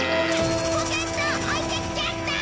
ポケット置いてきちゃった！